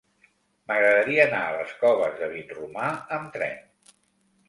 M'agradaria anar a les Coves de Vinromà amb tren.